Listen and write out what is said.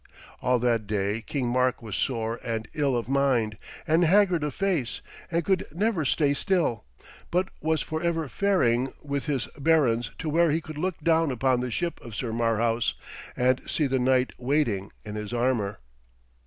All that day King Mark was sore and ill of mind and haggard of face, and could never stay still, but was for ever faring with his barons to where he could look down upon the ship of Sir Marhaus, and see the knight waiting in his armour.